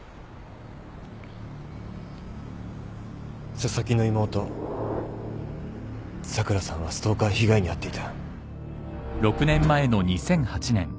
紗崎の妹咲良さんはストーカー被害に遭っていた。